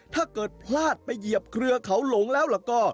ถ้าเกิดพลาดไปเหยียบเครือเขาหลงแล้วล่ะก็